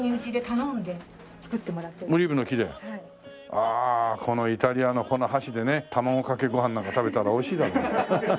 ああイタリアのこの箸でね卵かけご飯なんか食べたらおいしいだろう。